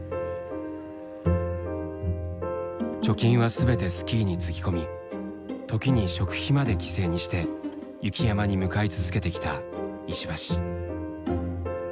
貯金は全てスキーにつぎ込み時に食費まで犠牲にして雪山に向かい続けてきた石橋。